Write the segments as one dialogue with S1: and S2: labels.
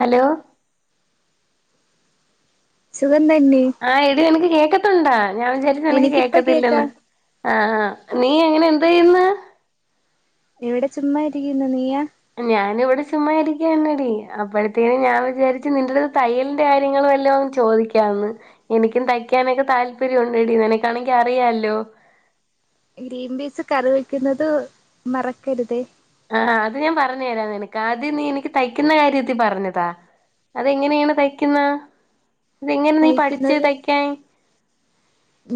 S1: Hello
S2: സുഖം തന്നെ
S1: ആഹ് എടി നിനക്ക് കേക്കുന്നുണ്ടോ ഞാൻ വിചാരിച്ചു നിനക്ക്
S2: എനിക്കിപ്പ കേക്കാ
S1: കേൾക്കത്തില്ലെന്ന് ആഹ് ആഹ് നീ അങ്ങനെ എന്ത് ചെയ്യുന്നു
S2: ഇവിടെ ചുമ്മാ ഇരിക്കുന്നു നീയാ
S1: ഞാനും ഇവിടെ ചുമ്മാ ഇരിക്കാ തന്നെടി അപ്പോഴത്തേനും ഞാൻ വിചാരിച്ചു നിന്റെ അടുത്ത് തയ്യലിന്റെ കാര്യം വല്ലതും ചോദിക്കാന്ന് എനിക്കും തയ്ക്കാനൊക്കെ താല്പര്യം ഉണ്ട് എടീ നിനക്കാണെങ്കിൽ അറിയാല്ലോ
S2: ഗ്രീൻ പീസ് കറി വെക്കുന്നത് മറക്കരുതേ
S1: ആഹ് അത് ഞാൻ പറഞ്ഞു തരാം നിനക്ക് ആദ്യം നീ എനിക്ക് തയ്ക്കുന്ന കാര്യത്തിൽ പറഞ്ഞുതാ അത് എങ്ങനെയാണ് തയ്ക്കുന്ന ഇതെങ്ങനെ നീ പഠിച്ച്
S2: കഴിക്കുന്നത്
S1: തയ്ക്കാൻ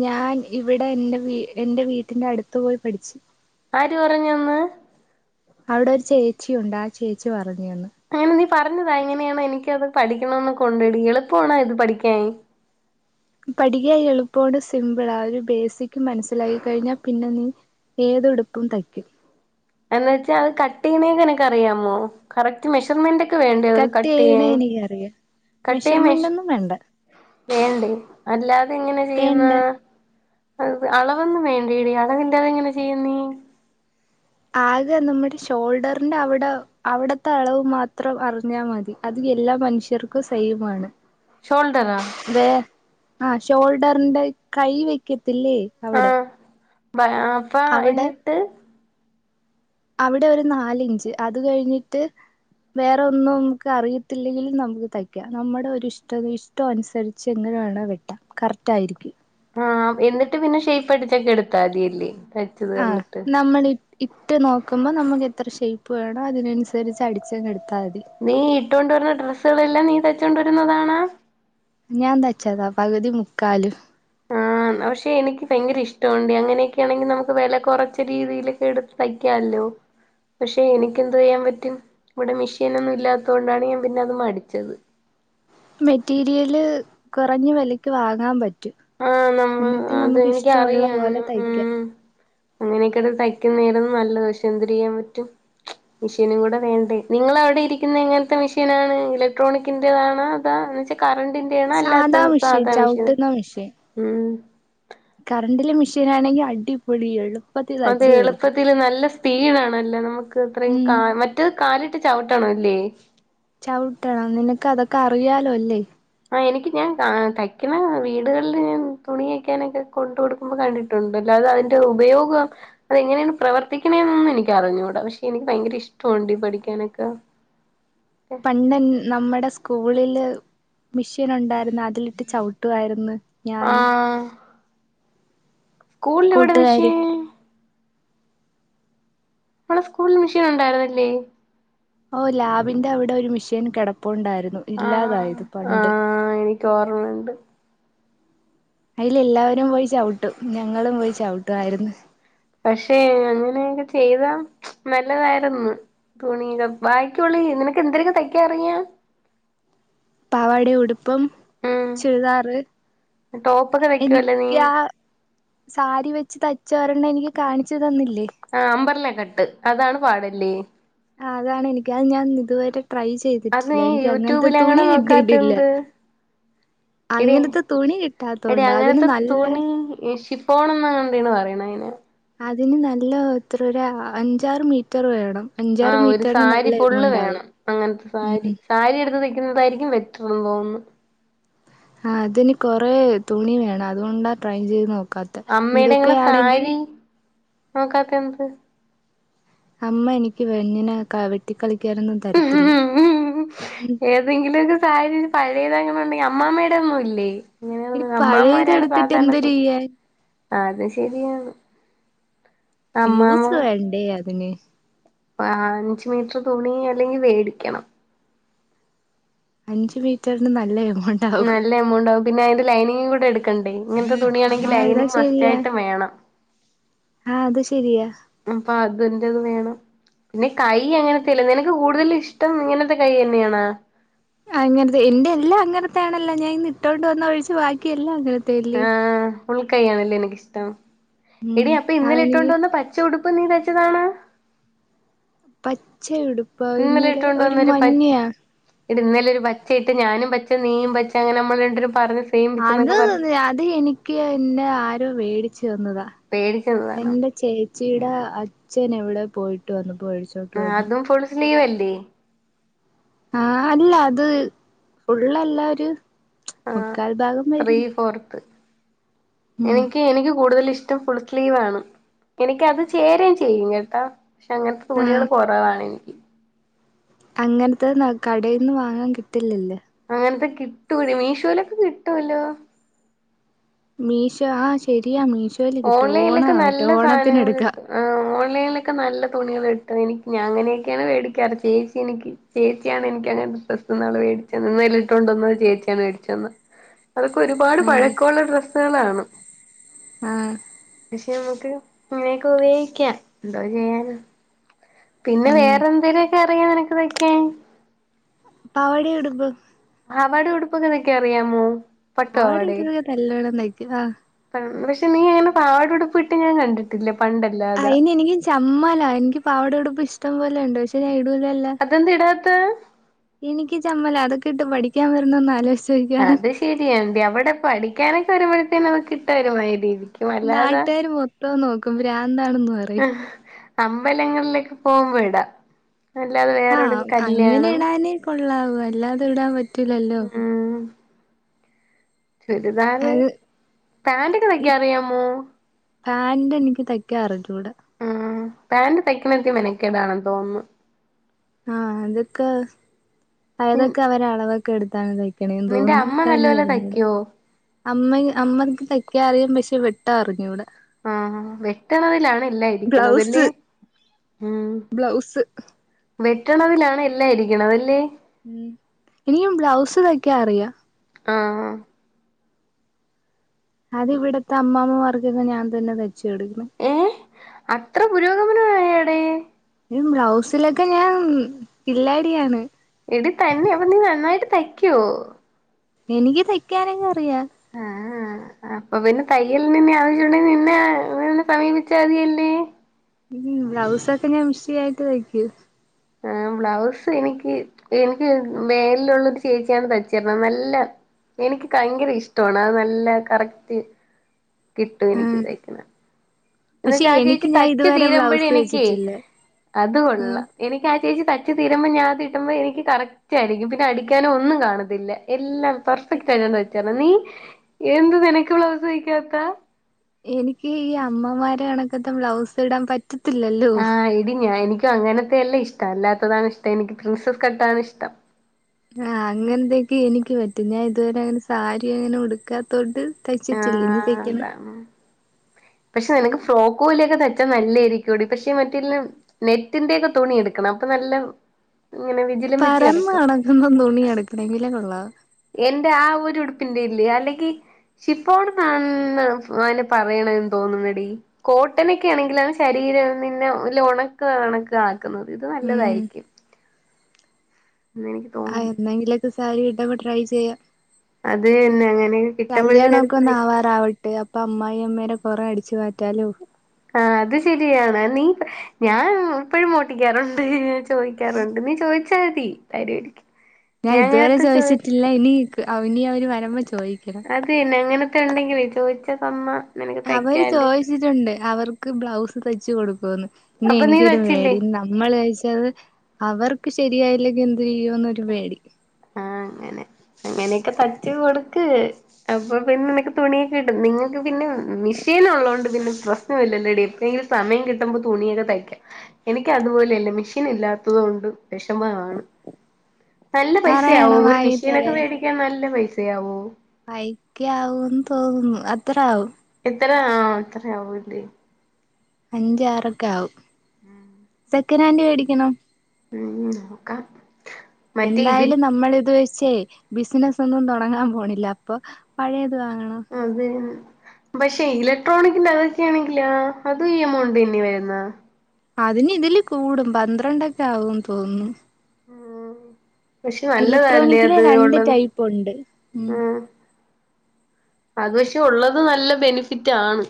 S2: ഞാൻ ഇവിടെ എൻ്റെ വീ എൻ്റെ വീട്ടിന്റെ അടുത്ത് പോയി പഠിച്ചു
S1: ആര് പറഞ്ഞുതന്ന്
S2: അവിടെ ഒരു ചേച്ചി ഉണ്ട് ആ ചേച്ചി പറഞ്ഞു തന്ന്
S1: അങ്ങനെ നീ പറഞ്ഞുതാ എങ്ങനെയണോ എനിക്കത് പഠിക്കണമെന്ന് ഒക്കെ ഉണ്ടടി എളുപ്പമാണോ അത് പഠിക്കാൻ
S2: പഠിക്കാൻ എളുപ്പവാടി സിമ്പിൾ ആഹ് ഒരു ബേസിക് മനസ്സിലായി കഴിഞ്ഞാ പിന്നെ നീ ഏത് ഉടുപ്പും തയ്ക്കും
S1: എന്നു വെച്ചാൽ അത് കട്ട് ചെയ്യുന്ന ഒക്കെ നിനക്ക് അറിയാമോ കറക്റ്റ് മെഷർമെന്റ് ഒക്കെ വേണ്ടേ അത് കട്ട്
S2: ചെയ്യണ
S1: ചെയ്യാൻ
S2: എനിക്കറിയാം
S1: കട്ട് ചെയ്യാൻ മെഷ
S2: മെഷർമെന്റ് ഒന്നും വേണ്ട
S1: വേണ്ടേ അല്ലാതെ എങ്ങനെ ചെയ്യുന്ന?
S2: വേണ്ട
S1: അത് അളവൊന്നും വേണ്ട ഡി അളവില്ലാതെ എങ്ങനെ ചെയ്യും നീ.
S2: ആകേ നമ്മുടെ ഷോൾഡറിന്റെ അവുടെ അവിടത്തെ അളവ് മാത്രം അറിഞ്ഞാ മതി അത് എല്ലാ മനുഷ്യർക്കും സെയിം ആണ്.
S1: ഷോൽഡറാ?
S2: ദേ ഷോൾഡറിന്റെ കൈ വെക്കത്തില്ലേ അവിടെ.
S1: ആഹ് ബ അപ്പം
S2: അവിടെ
S1: എന്നിട്ട്
S2: അവിടെ ഒരു നാലിഞ്ച് അത് കഴിഞ്ഞിട്ട് വേറെ ഒന്നും നമുക്ക് അറിയത്തില്ലെങ്കിലും നമുക്ക് തയ്ക്കാം നമ്മുടെ ഒരു ഇഷ്ടം ഇഷ് ഷ്‌ടം അനുസരിച്ച് എങ്ങനെ വേണോ വെട്ടാം കറക്റ്റ് ആയിരിക്കും.
S1: ആഹ് എന്നിട്ട് പിന്നെ ഷേപ്പ് അടിച്ച് ഒക്കെ എടുത്താ മതിയല്ല്യേ.
S2: ആഹ് നമ്മളി ഇട്ട് നോക്കുമ്പോൾ നമക്ക് എത്ര ഷേപ്പ് വേണോ അതിനനുസരിച്ച് അടിച്ചങ്ങ് എടുത്താതി.
S1: നീ ഇട്ടോണ്ട് വരുന്ന ഡ്രസ്സുകൾ എല്ലാം നീ തയ്ച്ചുകൊണ്ടു വരുന്നതാണാ?
S2: ഞാൻ തയ്ച്ചതാ പകുതി മുക്കാലും.
S1: ആ പക്ഷെ എനിക്ക് ഭയങ്കര ഇഷ്ടണഡീ അങ്ങനെയൊക്കെ ആണെങ്കിൽ നമുക്ക് വെല കൊറച്ച രീതിയിലൊക്കെ എടുത്ത് തയ്ക്കാല്ലോ? പക്ഷെ എനിക്ക് എന്തോയ്യാൻ പറ്റും ഇവിടെ മെഷീൻ ഒന്നും ഇല്ലാത്തോണ്ടാണ് ഞാൻ പിന്നെ അത് മടിച്ചത്.
S2: മെറ്റീരിയല് കുറഞ്ഞ വിലക്ക് വാങ്ങാൻ പറ്റും.
S1: ആഹ് നമ്മ
S2: എന്നിട്ട്
S1: അത്
S2: നമുക്ക് ഇഷ്ടമുള്ള
S1: എനിക്കറിയാം
S2: പോലെ
S1: ആങ്ന്ന് ഉം
S2: തയ്ക്കാം
S1: അങ്ങനെയൊക്കെ എടുത്ത് തയ്ക്കുന്ന ആരുന്നു നല്ലത് പക്ഷെ എന്തര് ചെയ്യാൻ പറ്റും. മിഷീനും കൂടെ വേണ്ടേ നിങ്ങള അവിടെ ഇരിക്കുന്ന എങ്ങനത്തെ മെഷീൻ ആണ് ഇലക്ട്രോണിക്കിൻ്റെതാണോ അതാ എന്ന് വച്ച കറണ്ടിന്റെ ആണോ അല്ലാത്ത സാധാ മെഷീനോ?
S2: ധാ മെഷിൻ.
S1: ഉം
S2: കറണ്ടിലെ മെഷീൻ ആണെങ്കിൽ അടിപൊളിയാ എളുപ്പ
S1: അതെ എളുപ്പത്തില് നല്ല സ്പീ പീ വേണം അല്ലേ നമുക്ക് അത്രയും
S2: ഉം
S1: കാല് മറ്റേ കാലിട്ട് ചവിട്ടണം അല്ലേ?
S2: ചവിട്ടണം നിനക്ക് അതൊക്കെ അറിയാലോ അല്ലേ?
S1: ആ എനിക്ക് ഞാൻ തയ്ക്കണ വീടുകളിൽ ഞാൻ തുണി തയ്ക്കാനൊക്കെ കൊണ്ട് കൊടു ടുക്കുമ്പോൾ കണ്ടിട്ടുണ്ട് അല്ലാതെ അതിന്റെ ഉപയോഗം അതെങ്ങനെയാണ് പ്രവർത്തിക്കണ എന്നൊന്നും എനിക്ക് അറിഞ്ഞുടാ പക്ഷെ എനിക്ക് ഭയങ്കര ഇഷ്ടാണ് ടി പഠിക്കാനൊക്കെ.
S2: പണ്ട് എൻ നമ്മുടെ സ്കൂളില് മിഷീൻ ഒണ്ടായിരുന്ന അ അതിലിട്ട് ചവിട്ടുയിരുന്നു ഞാനും.
S1: ആഹ് കൂളിൽവിടെ
S2: കൂട്ടുകാരും
S1: മെഷ്യൻ? നമ്മളെ സ്കൂളിൽ മെഷ്യൻ ഉണ്ടായിരുന്നല്ലേ?
S2: ഓ ലാബിന്റെ അവിടെ ഒരു മിഷീൻ കിടപ്പുണ്ടായിരുന്നു ഇല്ലാതായത് പണ്ട്.
S1: ക്കൊർമ്മണ്ട്
S2: അയില് എല്ലാവരും പോയിചൗട്ടും ഞങ്ങളും പോയിചൗട്ടും ആയിരുന്ന്.
S1: പക്ഷേ അങ്ങനെയൊക്കെ ചെയ്ത നല്ലതായിരുന്ന്. തുണി ബാക്കക്കോളി നിനക്ക് എന്തരൊക്കെ തയ്ക്കാറങ്ങിയാം?
S2: പാവാട ഉടുപ്പം
S1: ഉം
S2: ചുരിദാറ്
S1: ടോപ്പൊക്കെ തയ്ക്കുവല്ലേ നീ
S2: എനിക്കാ സാരി വെച്ച് തയ്ച്ചാ ഒരണ്ണം എനിക്ക് കാണിച്ചു തന്നില്ലേ?
S1: ആഹ് അമ്പർല കെട്ട് അതാണ് പാടല്ലേ?
S2: ആഹ് അതാണ് എനിക്ക് അത് ഞാൻ ഇതുവരെ ട്രൈ
S1: അത്
S2: ചെയ്തിട്ടില്ല
S1: നീ
S2: എനിക്ക് അങ്ങനത്തെ തുണി കിട്ടിട്ടില്ല.
S1: എഡീ എഡി
S2: കിട്ടാത്തോണ്ട് അതിന്
S1: അങ്ങനത്തെ
S2: നല്ല
S1: തുണി ശിഫ് ഫോണംന്ന് എന്തീണ് പറയണ അയിന്.
S2: അതിന് നല്ല ഇത്രൊരു അഞ്ചാറ് മീറ്ററ് വേണം. അഞ്ചാറ്
S1: ആഹ് ഒരു
S2: മീറ്ററിന്
S1: സാരി
S2: നല്ല
S1: ഫുള്ള്
S2: എമൗണ്ട് ആകും
S1: വേണം അങ്ങനത്തെ സാരി.
S2: ഉം
S1: സാരി എടുത്ത് തയിക്കുന്നതായിരിക്കും ബെറ്റർന്ന് തോന്നുന്നു.
S2: ആഹ് അതിന് കുറെേ തുണി വേണം അതുകൊണ്ടാ ട്രൈം ചെയ്ത് നോക്കാ
S1: അമ്മയുടെ എങ്ങനെ സാരി നോക്കാത്ത എന്ത്
S2: അമ്മ എനിക്ക് വെഞ്ഞനെ കവിെട്ടി കളിക്കാനൊന്നും തരത്തില്ല
S1: എന്തെങ്കിലുംക്ക സാറി പഴയത അങ്ങനെണ്ടെങ്കിൽ അമ്മാമ്മേയുടെ ഒന്നും ഇല്ലേ ഇങ്ങനെയ
S2: എടി
S1: അമ്മ്മമാരാണ്
S2: പഴയതെടുത്തിട്ട്
S1: സാധാരണ
S2: എന്തൊരു
S1: കൊട
S2: ചെയ്യാൻ
S1: അത് ശരിയാണ് അമ്മാമ്മ
S2: യൂസ് വേണ്ടേ അതിന്
S1: അഞ്ച് മീറ്റർ തുണി അല്ലെങ്കിൽ വേടിക്കണം
S2: അഞ്ച് മീറ്ററിന് നല്ല എകണ്ട്
S1: നല്ല എമൗണ്ട് ആവും പിന്നെ അതിന്റെ ലൈനിങ്ങ് കൂടെ എടുക്കണ്ടേ ഇങ്ങനത്തെ തുണിയാണെങ്കിൽ
S2: ആ ഇതാ
S1: ലൈനിങ് മസ്റ്റ് ആായിട്ട് വേണം [inaudible]
S2: ആഹ് അത് ശരിയ
S1: അപ്പൊ അതിന്റത് വേണം പിന്നെ കൈ അങ്ങനത്തെല്ലേ നിനക്ക് കൂടുതൽ ഇഷ്ടം ഇങ്ങനത്തെ കൈ തന്നെയണ
S2: അങ്ങനത്തെ എന്റെ എല്ലാം അങ്ങനത്ത ആണല്ല ഞാൻ ഇന്ന് ഇട്ടുകൊണ്ട് വന്നഴിച്ച് ബാക്കിയെല്ലാം അങ്ങനത്തെ
S1: ആഹ് ഉൾക്കൈ ആണല്ലേ എനിക്കിഷ്ടം
S2: ഉം
S1: എടി അപ്പൊ ഇന്നലെ
S2: അതെനിക്ക്
S1: ഇട്ടോണ്ട് വന്ന പ ഉടുപ്പ് നീ വെച്ചതാണ്
S2: പച്ച ഉടുപ്പാ ഇന്നലെ ഒരു മഞ്ഞയാ
S1: ഇ ഇന്നലൊ ഒരു പച്ച ഇട്ട് ഞാനും പച്ച നീയും പച്ച അങ്ങനെ നമ്മള പറഞ്ഞ
S2: അത് തന്ന അത് എനിക്ക് എന്നെ ആരോ മേടിച്ചു തന്നതാ
S1: പേടിച്ചത്തണോ
S2: എന്റെ ചേച്ചിയുടെ അച്ഛൻ എവിടെ പോയിട്ട് വന്നപ്പോ കഴിച്ചു
S1: ആ അതും ഫുൾ സ്ലീവ് അല്ലേ
S2: ആഹ് അല്ല അത് ഫുള്ളല്ല ഒരു മുക്കാൽ ഭാഗം വരും
S1: ഫോർത്
S2: ഉം
S1: എനിക്ക് എനിക്ക് കൂടുതൽ ഇഷ്ടം ഫുൾ സ്ലീവാണ് എനക്ക് അത് ചേരയും ചെയ്യും കേട്ടാ പക്ഷെ അങ്ങനത്തെ തുണികൾ
S2: ആഹ്
S1: കുറവാണ്െനിക്ക്
S2: അങ്ങനത്തെ കടയിൽന്ന് വാങ്ങാൻ കിട്ടില്ലല്ലേ
S1: അങ്ങനത്തെ കിട്ടൂടി മീഷോലൊക്കെ കിട്ടൂല്ലോ
S2: മീശോ ആഹ് ശെരിയാ മീശോയിൽ കിട്ടും ഓണം
S1: ഓൺലൈനിലൊക്കെ
S2: ആവട്ടെ
S1: നല്ല
S2: ഓണത്തിന്
S1: സാധനങ്ങൾ
S2: എടുക്കാ
S1: കിട്ടും ആ ഓലൈനിലൊക്കെ നല്ല തുണികൾിട്ട എനിക്ക് ഞാൻ അങ്ങനെയൊക്കെയാണ് മേടിക്കാറ് ചേച്ചി എനിക്ക് ചേച്ചിയാണ് എനിക്ക് അങ്ങനെ പ്രസ്ന്നൾ മേടിച്ച ഇന്ന്ല്ലിട്ട കൊണ്ട വന്നത് ചേച്ചിയാണ് മേടിച്ച അതൊക്കെ ഒരുപാട്
S2: ആഹ്
S1: പഴക്കമുള്ള ഡ്രസ്സുകളാണ്
S2: ആഹ്
S1: പക്ഷെ നമുക്ക് ഇങ്ങനെയൊക്കെ ഉപയോഗിക്കാം എന്തോ ചെയ്യാന പിന്നെ
S2: ഉം
S1: വേറെ എന്തെേലുമൊക്കെ അറിയാൻ നിനക്ക്തൊക്കാൻ
S2: പാവടേം ഉടുപ്പും
S1: പാവടേം ഉടുപ്പൊക്കെ തയ്ക്കാൻ അറിയാമോ പട്ടു പാവാടേ
S2: [unintelligible]
S1: പക്ഷെ നീ അങ്ങനെ പാടടുപ്പിയിട്ട് ഞാൻ കണ്ടിട്ടില്ലേ പണ്ടല്ലെ
S2: അയിനി എനിക്ക് ചമ്മല എനിക്ക് പാവട എടുപ്പ് ഇഷ്ടം പോലെ ഉണ്ട് പക്ഷെ ഞാൻ ഇടലല്ല
S1: അതെന്ത് ഇടാത്ത
S2: എനിക്ക് ചമ്മല അതൊക്കെ ഇട്ട് പഠിക്കാൻ വരുന്ന ഒന്ന് ആലോചിച്ചു
S1: അത് ശരിയണ്ട് അവിടെ പഠിക്കാനൊക്കെ വരുമ്പോഴത്തേന്ന നക്ക് കിട്ട വരുമായ രീതി
S2: നാട്ടുകാർ മൊത്തം നോക്കും ഭ്രാന്താണെന്ന് പറഞ്ഞ
S1: അമ്പലങ്ങളിലൊക്കെ പോകുമ്പോ ഇടാ അല്ലാത വേറെവിടെ
S2: ആഹ്
S1: ഒരു
S2: അങ്ങനെ
S1: കല്യാണം
S2: ഇടാനേ കൊള്ളാവൂ അല്ലാതെ ഇടാൻ പറ്റൂലല്ലോ
S1: ചുരിദാാര്
S2: അത്
S1: പാന്റോക്കെന്തൊക്കെ അറിയാമോ
S2: പാാന്റ് എനിക്ക് തയ്ക്കാൻ അറിച്ചൂട
S1: ഉം പാന്റ് തയ്ക്കണ എത്തിയ മനക്കേതാണെന്ന് തോന്നുന്നു
S2: ആഹ് അതൊക്കെ
S1: ഉം
S2: പയതൊക്കെ അവരെ അളവൊക്കെ എടുത്താാണ്തായി ക്കണന്ന്
S1: നിന്റെ
S2: തോന്നുന്നു
S1: അമ്മ നല്ലപോലെ
S2: അതനിക്കറിഞ്ഞുട
S1: തയ്ക്കുവോ
S2: അമ്മ അമ്മക്ക് തയ്ക്കാ അറിയാം പക്ഷേ വെട്ടാ അറിഞ്ഞുട
S1: ആഹ് വെട്ടണതിലാണ് ഇല്ല ഇരിക്കുന്നത്
S2: ബ്ലൗസ്
S1: ല്ലേ
S2: ബ്ലൗസ്
S1: വെട്ടണതിലാണ് എല്ലാം ഇരിക്കണതല്ലേ
S2: ഉം ഇനിയും ബ്ലൗസ് തയ്ക്കാ അറിയാം
S1: ആഹ്
S2: അത് ഇവിടത്തെ അമ്മ്മമാർക്കൊക്കെ ഞൻ തന്നെ തച്ച കൊടുകും
S1: ഏയ് അത്ര പുരോഗമനമായ അടെ
S2: [unintelligible] ബ്ലൗസിലൊക്കെ ഞാൻ കില്ലാടിയാണ്
S1: എടിത്തന്നെ അപ്പൊ നീ നന്നായിട്ട് തയ്ക്കുവോ
S2: എനിക്ക് തയ്ക്കാനെങ അറിയ
S1: ആഹ്.. അപ്പൊ പിന്നെ തയ്യലിനന്നെ ആവശ്യുണ്ടെ നിന്നെ സമീപിച്ചാ മതിയല്ലേ
S2: [unintelligible] ബ്ലൗസൊക്കെ ഞാൻ വിഷി ആയിട്ട് വയ്ക്കൂ
S1: ആ ബ്ലൗസ് എനിക്ക് എനിക്ക് വേലിലുള്ളരു ചേച്ചിയാണ് തച്ചരുന്നത് നല്ല എനിക്ക് ഭയങ്കര ഇഷ്ടമാണ് അത് നല്ല കറക്റ്റ് കിട്ടും എനിക്ക്
S2: ഉം
S1: തൈക്കണ എന്ന
S2: പക്ഷെ
S1: ചാ ആ
S2: എനിക്ക്
S1: ചേച്ചി
S2: ഞാൻ
S1: തച്ചു
S2: ഇതുവരെ
S1: തീരുമ്പോഴ
S2: ബ്ലൗസ്
S1: എനീക്കെ
S2: വെച്ചിട്ടില്ല
S1: അത്
S2: ഉം
S1: കൊള്ളാം എനിക്ക് ആ ചേച്ചി തച്ച് തീരുമ്പോ ഞാൻ ഇടുമ്പോ എനി കറക് റ്റയിരിക്കും പിന്നെ അടിക്കാനോ ഒന്നും കാണത്തില്ല എല്ലാം പെർഫെക്റ്റ് ആയി [unintelligible] വെച്ചാണ് നീ എന്ത് നിനക്ക ബ്ലൗസ് തായ്ക്കാത്ത
S2: എനിക്ക് ഈ അമ്മമാരെ കണക്കത്തെ ബ്ലൗസ് ഇടാൻ പറ്റത്തില്ലല്ലോ
S1: എനിക്ക അങ്ങനത്തെയല്ല ഇഷ്ട അല്ലാത്തതാണ് ഇഷ്ടം എനിക്ക് പ്രിൻസസ് കട്ടാണ് ഇഷ്ടം
S2: ആഹ് അങ്ങനത്തേക്ക് എനിക്ക് പറ്റും ഞാൻ ഇതുവരെ അങ്ങനെ സാരി അങ്ങനെ ഉടുക്കാത്തോണ്ട് തയ്ച്ചിട്ടില്ലനി
S1: ആഹ്
S2: തയ്ക്ക്ന
S1: അതാണ് പക്ഷെ നിനക്ക് ഫ്രോക്ക് പോലിയൊക്കെ തെച്ചാ നല്ലായിരിക്കുംടി പക്ഷെ മറ്റെല്ലാം നെറ്റിന്റെ ഒക്കെ തുണി എടുക്കണം അപ്പൊ നല്ല ഇങ്ങനെ വിജി
S2: പറന്ന് നടക്കുന്ന തുണിയാണ് ഇത്രയെങ്കിലുംകോള്ള
S1: എന്റെ ആഹ് ഒരു ഉടുപ്പിന്റെ അല്ല അല്ലെങ്കി ഷിപ്പോട് ന ആണ് അയിന് പറയണ എന്ന് തോന്നുന്നടി കോട്ടനൊക്കെ ആണെങ്കിലാണ് ശരീരം നിന്നെ ല്ല ഉണക്കു കണക്ക് ആക് ക്ക്ന്നത് ഇത്
S2: ഉം
S1: നല്ലതായിരിക്കും എന്നെനിക്ക്
S2: ആഹ്
S1: തോന്നുന്നു
S2: എന്നെങ്കിലൊക്കെ സാരി ഇട്ട ട്രൈ ചെയ്യ
S1: അത് തന്നെ അങ്ങനെ കിട്ടുമ്പോഴത്തിന്
S2: കല്യാണംമൊക്കെ
S1: എടുത്ത്
S2: ഒന്ന
S1: തയ്
S2: ആവാറാവ ട്ട് അപ്പൊ അമ്മായി അമ്മേരെ കുറ അടിച്ചു മാറ്റാലോ
S1: ആഹ് അത് ശരിയാണ് നീ ഞാൻ ഇപ്പഴും മോട്ടിക്കാറുണ്ട് ചോയിക്കാറുണ്ട് നീ ചോദിച്ചാ മതി തരുവായിരിക്കും
S2: ഞാൻ ഇതുവരെ
S1: അങ്ങനത്തെ ചോദിച്ച
S2: ചോദിച്ചിട്ടില്ല ഇനി അവന ഇനി വരമ്പ ചോയിക്കണം
S1: അത് തന്നെ അങ്ങനത്തെ ഉണ്ടെങ്കിൽ ചോദിച്ച തമ്മ
S2: അവര് ചോദിച്ചിട്ടുണ്ട് അവർക്ക് ബ്ലൗസ് തച്ചു കൊടുക്കുവന്ന് പിന്നെ
S1: അപ്പൊ നീ
S2: എനിക്കൊരു
S1: തയ്ച്ചില്ലേ
S2: വേടീ നമ്മൾഴച്ചത് അവർക്ക് ശരിയായില്ലെങ്കിൽ എന്ത് ചെയ്യോന്നൊരു പേടി
S1: ആഹ് അങ്ങനെ അങ്ങനെയൊക്കെ തച്ച കൊടുക്ക് അപ്പൊ പിന്നെ നിക്ക് തുണിയൊക്കെ കിട്ടും നിങ്ങൾക്ക് പിന്നെ മിഷീൻ ഉള്ളത് കൊണ്ട് പിന്നെ പ്ര ഒന്നുഇല്ലലേഡി ഇപ്പഴങ്കിലും സമയം കിട്ടുമ്പോ തുണിയൊക്കെ തയ്ക്കാം എനിക്ക് അതുപോലെയല്ല മെഷീൻ ഇല്ലാത്തത് കൊണ്ട് വിഷമമാണ് നല്ല പൈസയാവോ
S2: പറയണം
S1: ഒരു
S2: വാങ്ങി
S1: മെഷീനൊക്കെ പേടിക്കാൻ നല്ല പൈസയാവുവോ
S2: പൈക്ക ആവുംന്ന് തോന്നുന്നു അത്ര ആവും
S1: ഇത്ര അഹ് ഇത്ര ആവൂലേ
S2: അഞ്ചാറക്ക ആവും എക്കനാണ്ടി മേടിക്കണം
S1: ഉം നോക്കാം മറ്റേ ഇതിൽ
S2: എന്തായാലും നമ്മൾ ഇത് വെച്ചേ ബിസിനസ്സൊന്നും തൊടങ്ങാൻ പോണില്ല അപ്പൊ പഴയത് വാങ്ങണം.
S1: അതെ പക്ഷെ ഇലക്ട്രോണിക്കിന്റെ അതൊക്കെയാണെങ്കിലാ അതും ഈ എമൗണ്ടെന്നെ വെര്ന്ന.
S2: അതിന് ഇതില് കൂടും പന്ത്രണ്ടൊക്കാകുന്ന് തോന്ന്ന്നു.
S1: ഓഹ് പക്ഷെ നല്ലതല്ലേ അത് ഉള്ളത്.
S2: ഇപ്പണ്ട് ഉം
S1: അത് പക്ഷെ ഉള്ളത് നല്ല ബെനിഫിറ്റ്ണ്.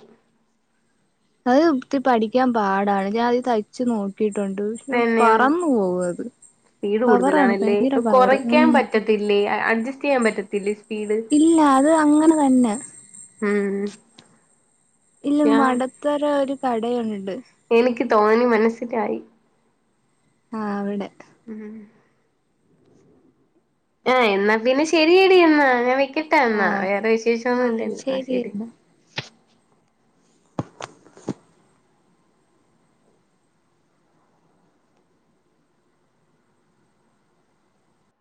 S2: അത് പ്ത്തി പഠിക്ക്യാൻ പാടാണ് ഞാൻ അത് തയ്ച്ചു നോക്കിട്ടുണ്ട്. അത്
S1: പിന്നെ
S2: പറന്ന് പോവത്.
S1: സ്പീഡ് കൂടുതലാണല്ലേ അത്
S2: ഉം
S1: കൊറയ്ക്കാൻ പറ്റത്തില്ലേ അ അഡ്ജസ്റ്റെയ്യാൻ പറ്റത്തില്ലെ.
S2: ഇല്ല അത് അങ്ങനെ തന്നെ
S1: ഉം
S2: ഇല്ല
S1: പക്ഷെ
S2: മടത്തറ ഒരു കടയുണ്ട്.
S1: എനിക്ക് തോന്നി മനസ്സിലായി.
S2: ആഹ് അവടെ
S1: ഉം ആഹ് എന്നാ പിന്നെ ശെരിയടി എന്നാ ഞാൻ വെക്കെട്ടാ
S2: ആ
S1: അന്നാ വേറെ
S2: ആ
S1: വിശേഷൊന്നുല്ലല്ലോ ആഹ്
S2: ശരി
S1: ശെരി
S2: എന്നാ